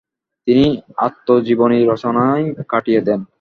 তিনি আত্মজীবনী রচনায় কাটিয়ে দেন।